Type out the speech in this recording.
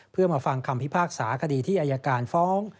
เพื่อมาฟังคำพิพากษาคดีที่อายการฟ้อง